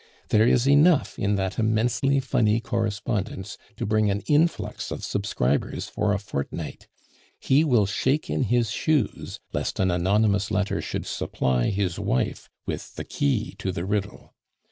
There is enough in that immensely funny correspondence to bring an influx of subscribers for a fortnight. He will shake in his shoes lest an anonymous letter should supply his wife with the key to the riddle.